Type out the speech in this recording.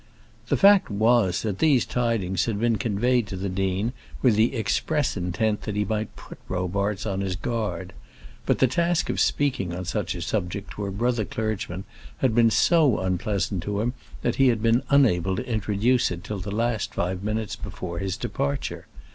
The fact was that these tidings had been conveyed to the dean with the express intent that he might put Robarts on his guard; but the task of speaking on such a subject to a brother clergyman had been so unpleasant to him that he had been unable to introduce it till the last five minutes before his departure.